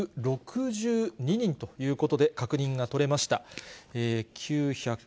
９６２人ということで、確認が取れました。